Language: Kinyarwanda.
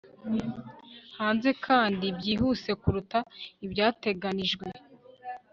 hanze kandi byihuse kuruta ibyateganijwe